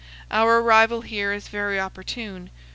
Our arrival here is very opportune.